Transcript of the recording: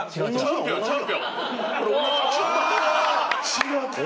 違った。